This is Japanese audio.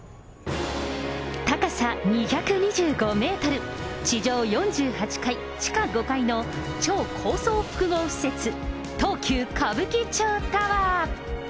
高さ２２５メートル、地上４８階、地下５階の、超高層複合施設、東急歌舞伎町タワー。